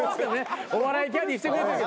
お笑いキャディーしてくれてる。